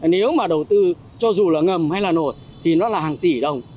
nếu mà đầu tư cho dù là ngầm hay là nổi thì nó là hàng tỷ đồng